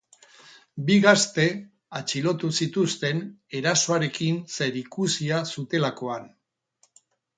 Bi gazte atxilotu zituzten erasoarekin zerikusia zutelakoan.